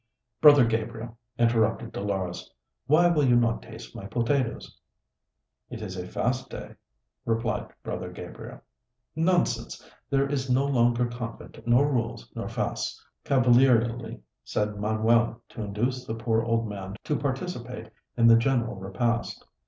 "Brother Gabriel," interrupted Dolores, "why will you not taste my potatoes?" "It is a fast day," replied Brother Gabriel. "Nonsense! There is no longer convent, nor rules, nor fasts," cavalierly said Manuel, to induce the poor old man to participate in the general repast.